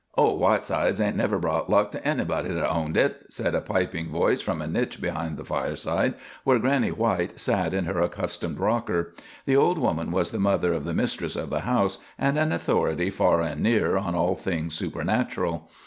"Old Whiteside hain't never brought luck to anybody that owned hit," said a piping voice from a niche behind the fireplace, where Granny White sat in her accustomed rocker. The old woman was the mother of the mistress of the house, and an authority far and near on all things supernatural.